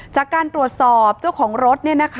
จากการตรวจสอบเจ้าของรถ